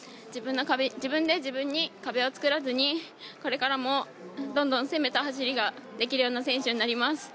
自分で自分に壁を作らずにこれからもどんどん攻めた走りができるような選手になります。